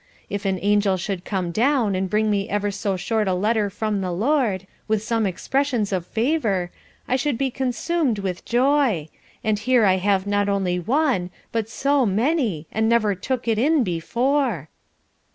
If an angel should come down and bring me ever so short a letter from the Lord, with some expressions of favour, I should be consumed with joy; and here I have not only one, but so many, and never took it in before."